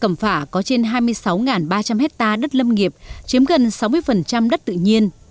cẩm phả có trên hai mươi sáu ba trăm linh hectare đất lâm nghiệp chiếm gần sáu mươi đất tự nhiên